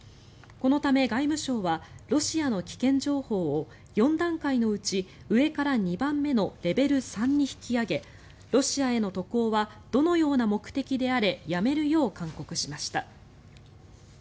このため、外務省はロシアの危険情報を４段階のうち上から２番目のレベル３に引き上げロシアへの渡航はどのような目的であれやめるよう勧告しました。